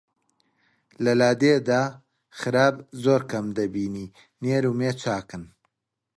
لە لادێدا خراب زۆر کەم دەبینی نێر و مێ چاکن